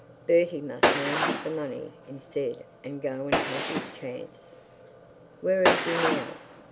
Bertie must now have the money instead, and go and take his chances.' 'Where is he now?'